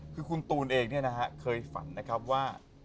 คือคุณตูนเองเนี่ยนะฮะเคยฝันนะครับว่า